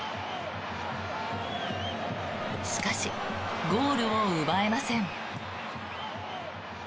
しかし、ゴールを奪えません。